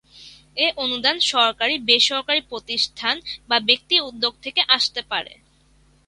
এ অনুদান সরকার, বেসরকারি প্রতিষ্ঠান বা ব্যক্তি উদ্যোগ থেকে আসতে পারে।